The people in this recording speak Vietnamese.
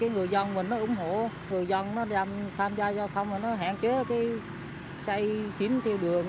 người dân tham gia giao thông hạn chế say xỉn theo đường